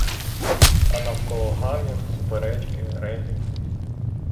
А навколо гамір, суперечки, регіт.